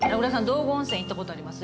道後温泉行ったことあります？